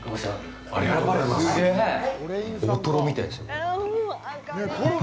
大トロみたいですよ、これ？